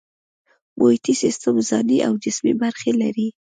محیطي سیستم ځانی او جسمي برخې لري